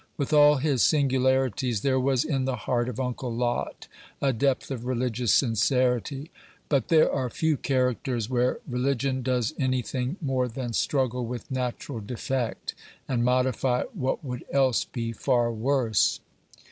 With all his singularities, there was in the heart of Uncle Lot a depth of religious sincerity; but there are few characters where religion does any thing more than struggle with natural defect, and modify what would else be far worse.